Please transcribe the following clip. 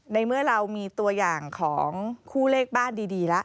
ในเมื่อเรามีตัวอย่างของคู่เลขบ้านดีแล้ว